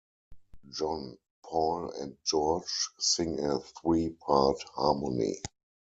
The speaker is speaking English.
John, Paul, and George sing a three-part harmony.